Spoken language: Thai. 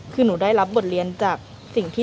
คือหนูได้รับบทเรียนจากสิ่งที่